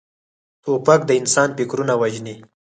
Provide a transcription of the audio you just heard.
توپک د انسان فکرونه وژني.